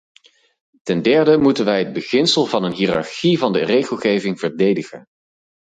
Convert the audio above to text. Ten derde moeten wij het beginsel van een hiërarchie van de regelgeving verdedigen.